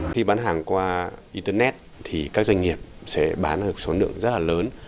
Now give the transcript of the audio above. khi bán hàng qua internet thì các doanh nghiệp sẽ bán được số lượng rất là lớn